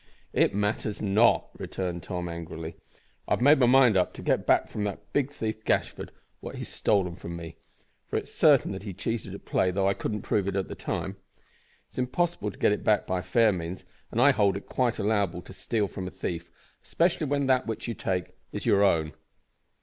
"It matters not," returned Tom, angrily. "I have made up my mind to get back from that big thief Gashford what he has stolen from me, for it is certain that he cheated at play, though I could not prove it at the time. It is impossible to get it back by fair means, and I hold it quite allowable to steal from a thief, especially when that which you take is your own."